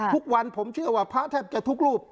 ทุกวันผมเชื่อว่าพระแทบจะทุกรูป